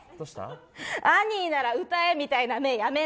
アニーなら歌えみたいな目やめな！